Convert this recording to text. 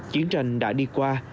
chiến tranh đã đi qua